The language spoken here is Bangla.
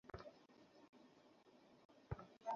সেলুনে আমার মা ওর চুল কেটেছিল, ওর চুল ছুঁয়েছিলাম, খুব কোমল।